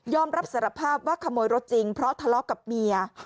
รับสารภาพว่าขโมยรถจริงเพราะทะเลาะกับเมีย